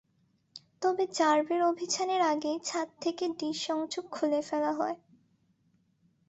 তবে র্যাবের অভিযানের আগেই ছাদ থেকে ডিশ সংযোগ খুলে ফেলা হয়।